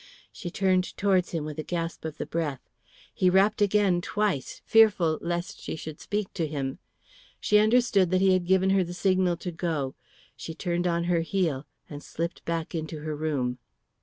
She turned towards him with a gasp of the breath. He rapped again twice, fearful lest she should speak to him. She understood that he had given her the signal to go. She turned on her heel and slipped back into her room.